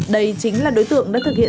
đây chính là đối tượng đã thực hiện